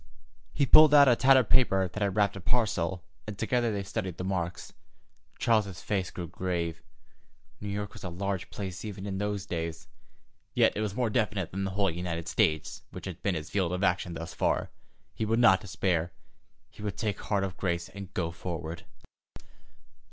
He pulled out a tattered paper that had wrapped a parcel, and together they studied the marks. Charles's face grew grave. New York was a large place even in those days. Yet it was more definite than the whole United States, which had been his field of action thus far. He would not despair. He would take heart of grace and go forward.